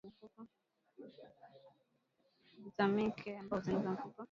viazi lishe Vina vitamini K ambayo hutengeneza mifupa